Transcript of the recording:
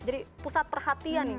jadi pusat perhatian nih